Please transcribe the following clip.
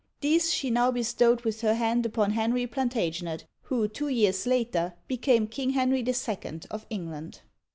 These she now bestowed with her hand upon Henry Plantag'enet, who, two years later, became King Henry II. of England.